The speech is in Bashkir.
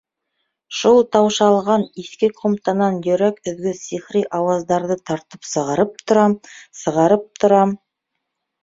Шул таушалған иҫке ҡумтанан йөрәк өҙгөс сихри ауаздарҙы тартып сығарып торам, сығарып торам.